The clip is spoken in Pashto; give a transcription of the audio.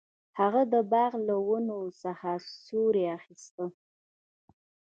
هغه د باغ له ونو څخه سیوری اخیست.